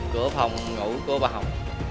cửa phòng ngủ của bà hồng